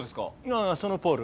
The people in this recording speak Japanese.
ああそのポール。